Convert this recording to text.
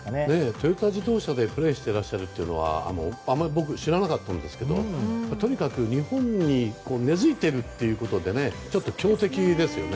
トヨタ自動車でプレーしていらっしゃることをあまり僕、知らなかったんですがとにかく日本に根付いているということで強敵ですよね。